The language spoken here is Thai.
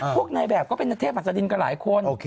พวกนายแบบก็เป็นเทพหัสดินกันหลายคน